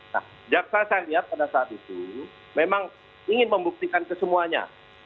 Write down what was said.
nah jaksa saya lihat pada saat itu memang ingin membuktikan kesemuanya